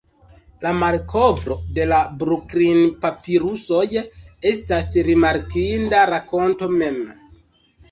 La malkovro de la Bruklin-papirusoj estas rimarkinda rakonto mem.